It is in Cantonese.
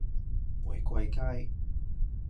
玫瑰街